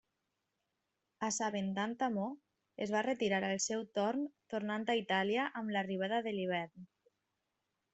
Assabentant Amó, es va retirar al seu torn tornant a Itàlia amb l'arribada de l'hivern.